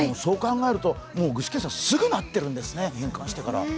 そう考えると具志堅さん、すぐになっているんですね、返還してから。